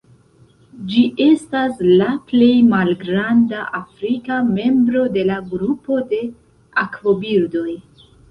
Ĝi estas la plej malgranda afrika membro de la grupo de akvobirdoj.